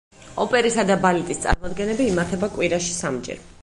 ოპერისა და ბალეტის წარმოდგენები იმართება კვირაში სამ ჯერ.